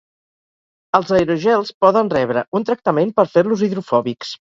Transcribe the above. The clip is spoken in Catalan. Els aerogels poden rebre un tractament per fer-los hidrofòbics.